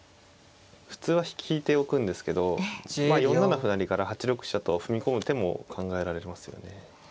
普通は引いておくんですけど４七歩成から８六飛車と踏み込む手も考えられますよね。